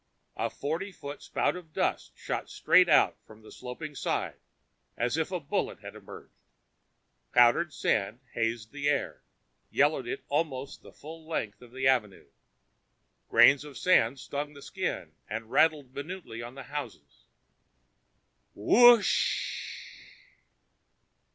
A forty foot spout of dust shot straight out from the sloping side, as if a bullet had emerged. Powdered sand hazed the air, yellowed it almost the full length of the avenue. Grains of sand stung the skin and rattled minutely on the houses. WhoooSSSHHHHH!